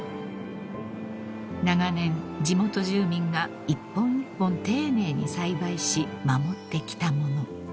［長年地元住民が一本一本丁寧に栽培し守ってきた物］